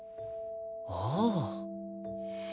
ああ。